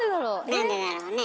なんでだろうね？